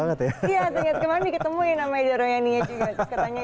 tengah tengah kemaren nih ketemu ya nama ida royani nya juga